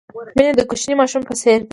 مینه د کوچني ماشوم په څېر ده.